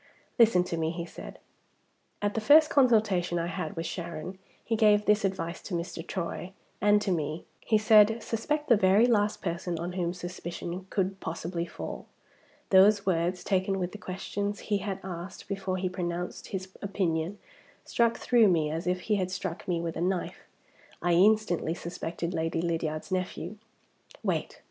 "Listen to me," he said. "At the first consultation I had with Sharon he gave this advice to Mr. Troy and to me. He said, 'Suspect the very last person on whom suspicion could possibly fall.' Those words, taken with the questions he had asked before he pronounced his opinion, struck through me as if he had struck me with a knife. I instantly suspected Lady Lydiard's nephew. Wait!